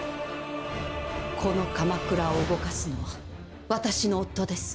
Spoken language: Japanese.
この鎌倉を動かすのは私の夫です。